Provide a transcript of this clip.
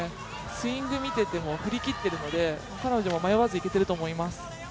スイング見てても振り切っているので彼女も迷わずいけていると思います。